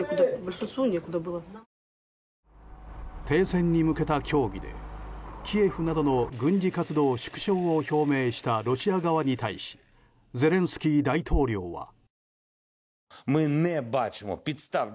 停戦に向けた協議でキエフなどの軍事活動縮小を表明したロシア側に対しゼレンスキー大統領は。